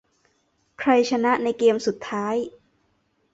ใครชนะในเกมส์สุดท้าย ?